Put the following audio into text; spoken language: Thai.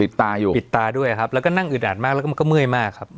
ตาอยู่ปิดตาด้วยครับแล้วก็นั่งอึดอัดมากแล้วก็มันก็เมื่อยมากครับ